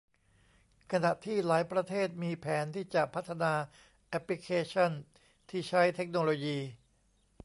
ขณะที่หลายประเทศมีแผนที่จะพัฒนาแอพลิเคชันที่ใช้เทคโนโลยี